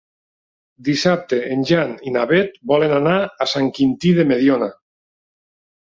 Dissabte en Jan i na Beth volen anar a Sant Quintí de Mediona.